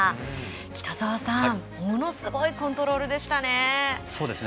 北澤さん、ものすごいコントロールでしたね。